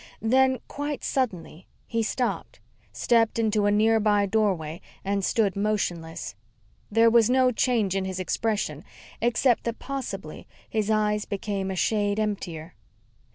Then, quite suddenly, he stopped, stepped into a nearby doorway and stood motionless. There was no change in his expression except that possibly his eyes became a shade emptier.